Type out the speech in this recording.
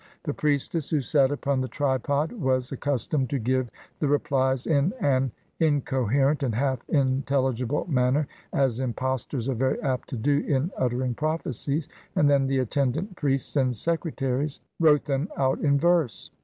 The priestess who sat upon the tripod was 309 PERSIA accustomed to give the replies in an incoherent and half intelligible manner, as impostors are very apt to do in uttering prophecies, and then the attendant priests and secretaries wrote them out in verse.